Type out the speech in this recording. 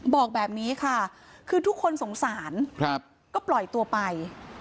บอกแบบนี้ค่ะคือทุกคนสงสารก็ปล่อยตัวไป